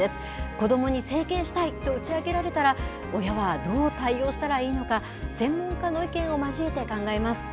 子どもに整形したいと打ち明けられたら、親はどう対応したらいいのか、専門家の意見を交えて考えます。